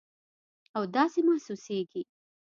او داسې محسوسیږي